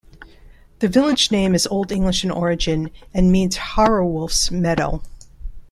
The village name is Old English in origin, and means 'Heoruwulf's meadow'.